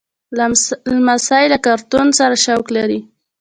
لمسی له کارتون سره شوق لري.